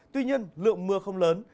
tuy nhiên lượng mưa không lớn